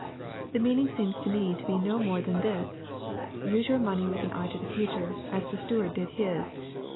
The meaning seems to me to be no more than this, " Use your money with an eye to the future, as the steward did his.